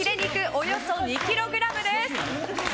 およそ２ｋｇです。